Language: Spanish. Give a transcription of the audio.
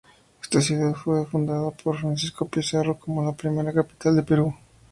Esta ciudad fue fundada por Francisco Pizarro como la primera capital del Perú.